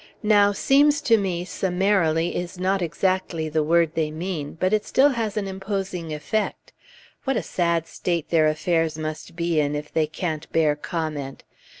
Now, seems to me "summarily" is not exactly the word they mean, but still it has an imposing effect. What a sad state their affairs must be in, if they can't bear comment.